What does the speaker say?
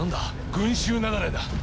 群衆雪崩だ。え？